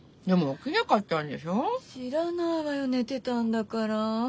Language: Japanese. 知らないわよ寝てたんだから。